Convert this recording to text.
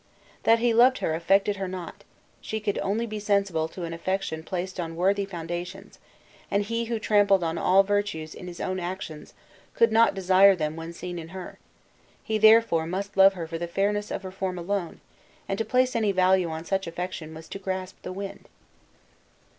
That he loved her affected her not; she could only be sensible to an affection placed on worthy foundations; and he who trampled on all virtues in his own actions, could not desire them when seen in her; he therefore must love her for the fairness of her form alone; and to place any value on such affection was to grasp the wind.